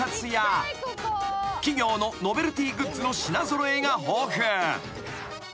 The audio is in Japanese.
［企業のノベルティグッズの品揃えが豊富］